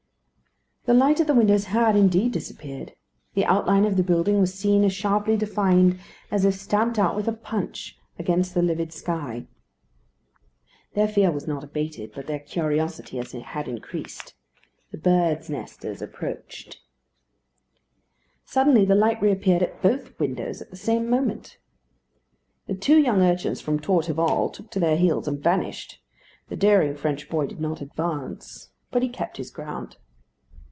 The light at the windows had, indeed, disappeared. The outline of the building was seen as sharply defined as if stamped out with a punch against the livid sky. Their fear was not abated, but their curiosity had increased. The birds' nesters approached. Suddenly the light reappeared at both windows at the same moment. The two young urchins from Torteval took to their heels and vanished. The daring French boy did not advance, but he kept his ground.